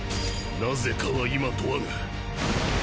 何故かは今問わぬ！